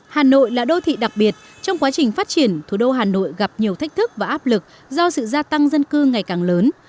hà nội là đô thị đặc biệt trong quá trình phát triển thủ đô hà nội gặp nhiều thách thức và áp lực do sự gia tăng dân cư ngày càng lớn